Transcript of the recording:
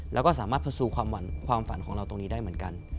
แล้วก็สามารถผสมความฝันของเราตรงนี้ได้เหมือนกัน